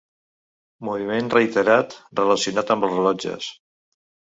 Moviment reiterat relacionat amb els rellotges.